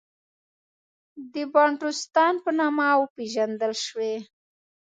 د بانټوستان په نامه وپېژندل شوې.